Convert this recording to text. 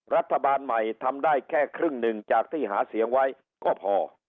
รัฐบาลใหม่ทำได้แค่ครึ่งหนึ่งจากที่หาเสียงไว้ก็พอ